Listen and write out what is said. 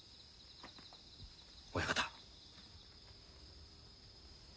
親方。